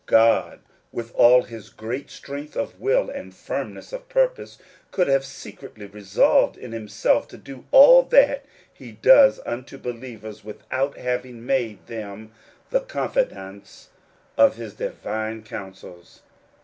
God with all his great strength of will and firmness of purpose, could have secretly resolved in himself to do all that he does unto believers without having made them the confidants of his divine counsels.